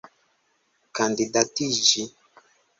kandidatiĝi